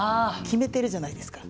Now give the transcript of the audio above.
決めてるじゃないですか。